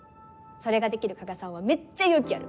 それができる加賀さんはめっちゃ勇気ある。